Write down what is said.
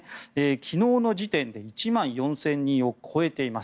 昨日の時点で１万４０００人を超えています。